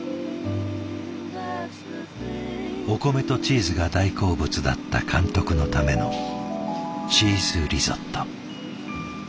お米とチーズが大好物だった監督のためのチーズリゾット。